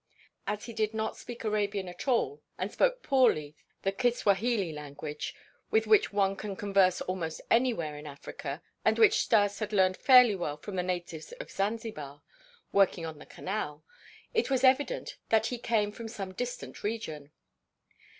As he did not speak Arabian at all and spoke poorly the Kiswahili language with which one can converse almost anywhere in Africa and which Stas had learned fairly well from the natives of Zanzibar, working on the Canal, it was evident that he came from some distant region.